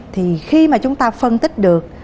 thì khi mà chúng ta phân tích được